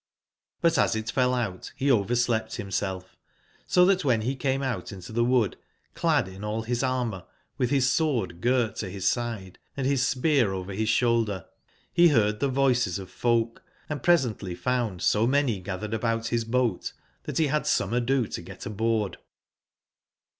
But, as it fell out, be overslept bimself, so tbat wben be came out into tbe wood clad in all bis armour, witb bis sword girt to bis side, & bis s pear over bis sboulder, be beard tbe voices of folk, and presently found so many gathered about bis boat tbat be bad some ado to get aboard.